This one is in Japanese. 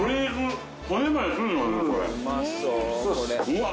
うわ。